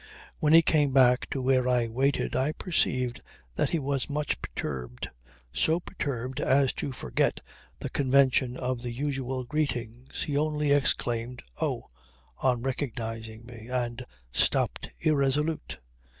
When he came back to where I waited I perceived that he was much perturbed, so perturbed as to forget the convention of the usual greetings. He only exclaimed Oh! on recognizing me, and stopped irresolute.